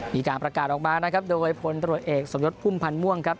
มีการประกาศออกมานะครับโดยพลตรวจเอกสมยศพุ่มพันธ์ม่วงครับ